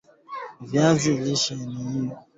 Viazi lishe ni zao muhimu